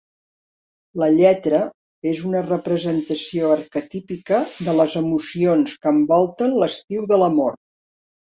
La lletra és una representació arquetípica de les emocions que envolten l'estiu de l'amor.